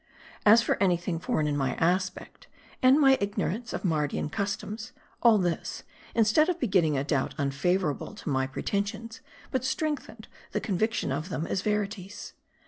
As for any thing foreign in my aspect, and my ignorance of Mardian customs : all this, instead of begetting a doubt unfavorable to my pretensions, but strengthened the convic tion of them as verities.